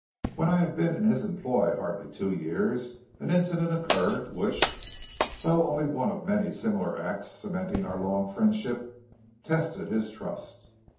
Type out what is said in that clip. When I had been in his employ hardly two years, an incident occurred which, though only one of many similar acts cementing our long friendship, tested his trust.